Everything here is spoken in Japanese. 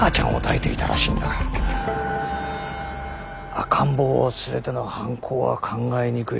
赤ん坊を連れての犯行は考えにくい。